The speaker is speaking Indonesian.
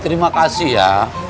terima kasih ya